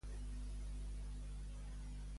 Per què Parlon hi està en contra?